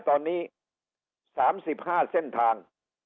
ตอนนี้สามสิบห้าเส้นทาง